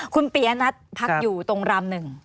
คุณเปียนัดพักอยู่ตรงรำหนึ่ง